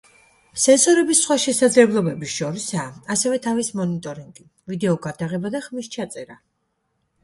სენსორების სხვა შესაძლებლობებს შორისაა ასევე თავის მონიტორინგი, ვიდეოგადაღება და ხმის ჩაწერა.